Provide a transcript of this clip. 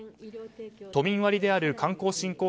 都民割である観光振興